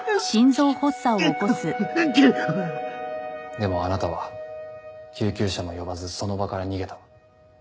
でもあなたは救急車も呼ばずその場から逃げた。